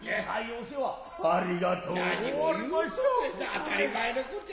当たり前のことや。